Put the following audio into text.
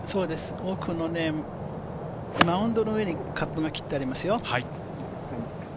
奥のマウンドの上にカップが切ってありますよ。